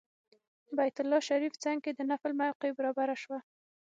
بیت الله شریف څنګ کې د نفل موقع برابره شوه.